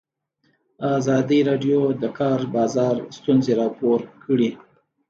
ازادي راډیو د د کار بازار ستونزې راپور کړي.